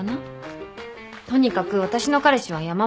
とにかく私の彼氏は山本君なんで。